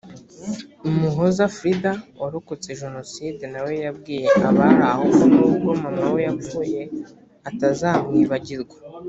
umuhoza frida warokotse jenoside na we yabwiye abari aho ko n’ubwo mama we yapfuye atazamwibagirwa